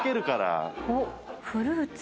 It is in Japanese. おっフルーツ。